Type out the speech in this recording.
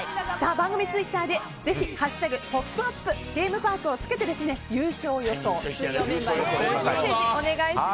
番組ツイッターで「＃ポップアップゲームパーク」とつけて優勝予想をお願いします。